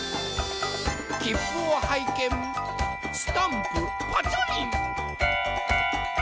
きっぷをはいけんスタンプパチョリン。